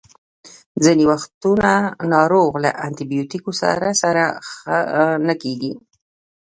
ځینې وختونه ناروغ له انټي بیوټیکو سره سره ښه نه کیږي.